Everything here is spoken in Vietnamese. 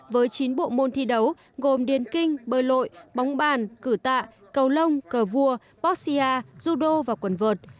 với chín bộ môn thi đấu gồm điên kinh bơi lội bóng bàn cử tạ cầu lông cờ vua boxia judo và quần vợt